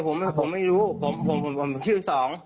ผมไม่รู้ผมชื่อสอง